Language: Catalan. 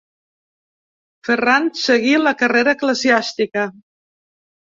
Ferran seguí la carrera eclesiàstica.